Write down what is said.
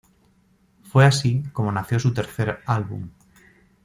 Fue así como nació su tercer álbum.